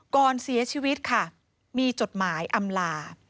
ก่อนเสียชีวิตค่ะมีจดหมายอำลา